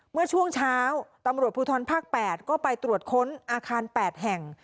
เมื่อช่วงเช้าตำรวจภูทรภาค๘ก็ไปตรวจค้นอาคาร๘แห่ง